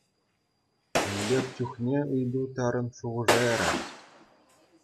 Кун пек чухне ыйту тарӑн шухӑша ярать.